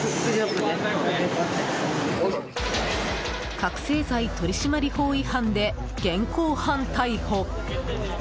覚醒剤取締法違反で現行犯逮捕。